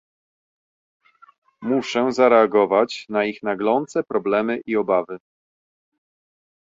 Muszę zareagować na ich naglące problemy i obawy